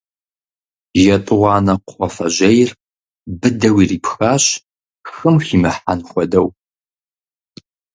ЕтӀуанэ кхъуафэжьейр быдэу ирипхащ, хым химыхьэн хуэдэу.